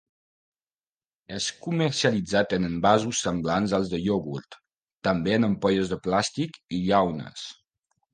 És comercialitzat en envasos semblants als de iogurt, també en ampolles de plàstic i llaunes.